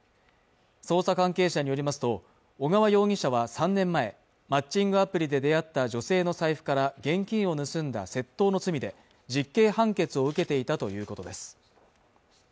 捜査関係者によりますと小川容疑者は３年前マッチングアプリで出会った女性の財布から現金を盗んだ窃盗の罪で実刑判決を受けていたということです